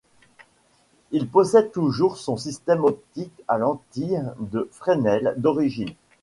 Il possède toujours son système optique à lentille de Fresnel d'origine.